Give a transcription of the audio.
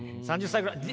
３０歳ぐらい。